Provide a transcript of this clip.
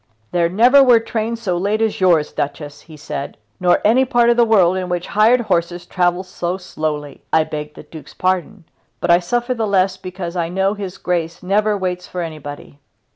"There never were trains so late as yours, Duchess," he said, "nor any part of the world in which hired horses travel so slowly. I beg the Duke's pardon, but I suffer the less because I know his Grace never waits for anybody."